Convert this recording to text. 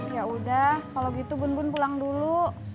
yaudah kalau gitu bun bun pulang dulu